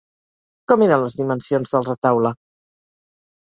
Com eren les dimensions del retaule?